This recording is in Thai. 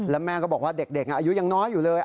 แล้วแม่ก็บอกว่าเด็กอายุยังน้อยอยู่เลย